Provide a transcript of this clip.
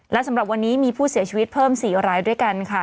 และสำหรับวันนี้มีผู้เสียชีวิตเพิ่ม๔รายด้วยกันค่ะ